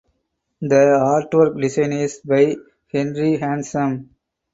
The artwork design is by Hendry Handsome.